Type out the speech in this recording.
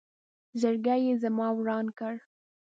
زړګې یې زما وران کړ